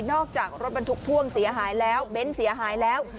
จากรถบรรทุกพ่วงเสียหายแล้วเบนท์เสียหายแล้ว